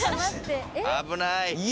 危ない！